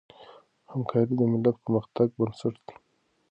همکاري د ملت د پرمختګ بنسټ دی.